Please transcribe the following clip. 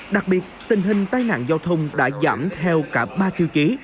đặc biệt tình hình tai nạn giao thông đã giảm theo cả ba tiêu chí